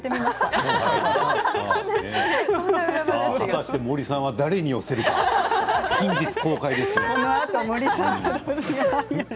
笑い声はたして森さんは誰に寄せるか、近日公開ですね。